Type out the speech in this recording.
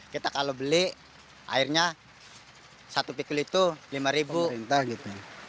kita kalau beli akhirnya satu pikul itu lima ribu